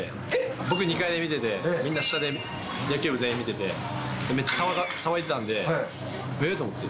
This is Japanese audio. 僕、２階で見てて、みんな下で野球部全員見てて、めっちゃ騒いでたんで、えーって思って。